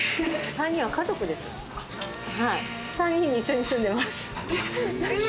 ３人で一緒に住んでます。